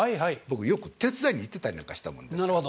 僕よく手伝いに行ってたりなんかしたもんですから。